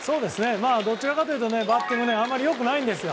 どちらかというとバッティングはあまりよくないんですよ。